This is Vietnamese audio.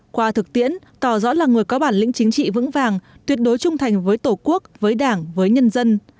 qua thực tiễn tỏ rõ là người có bản lĩnh chính trị vững vàng tuyệt đối trung thành với tổ quốc với đảng với nhân dân